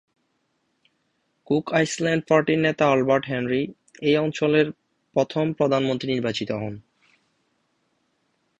Cook Islands পার্টির নেতা Albert Henry এই অঞ্চলের প্রথম প্রধানমন্ত্রী নির্বাচিত হন।